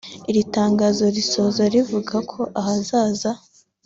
Iri tangazo risoza rivuga ko ahazaza